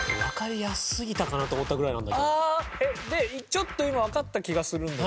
ちょっと今わかった気がする。